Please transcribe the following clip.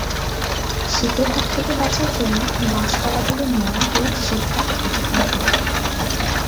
শীতের হাত থেকে বাঁচার জন্য গাছপালাগুলো ন্যাড়া হয়ে শীতটাকে অতিক্রম করে।